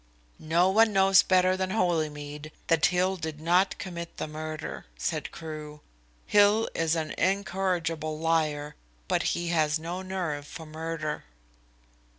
"No one knows better than Holymead that Hill did not commit the murder," said Crewe. "Hill is an incorrigible liar, but he has no nerve for murder."